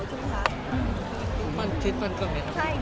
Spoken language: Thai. พี่เอ็มเค้าเป็นระบองโรงงานหรือเปลี่ยนไงครับ